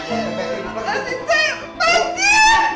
lepasin saya lepasin